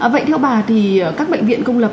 vậy theo bà thì các bệnh viện công lập